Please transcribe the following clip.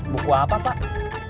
buku apa pak